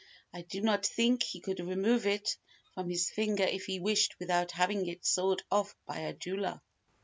I do not think he could remove it from his finger if he wished without having it sawed off by a jeweller."